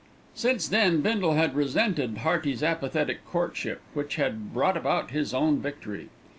Since then Bindle had resented Hearty's apathetic courtship, which had brought about his own victory.